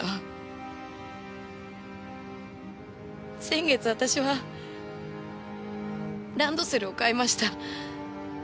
先月私はランドセルを買いました。